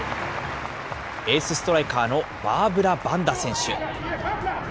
エースストライカーのバーブラ・バンダ選手。